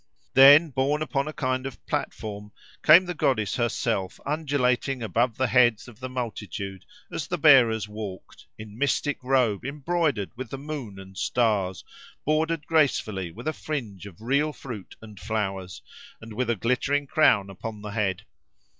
Then, borne upon a kind of platform, came the goddess herself, undulating above the heads of the multitude as the bearers walked, in mystic robe embroidered with the moon and stars, bordered gracefully with a fringe of real fruit and flowers, and with a glittering crown upon the head.